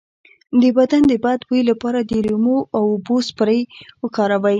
د بدن د بد بوی لپاره د لیمو او اوبو سپری وکاروئ